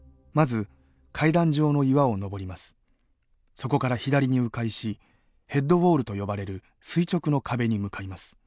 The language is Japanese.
そこから左にう回し「ヘッドウォール」と呼ばれる垂直の壁に向かいます。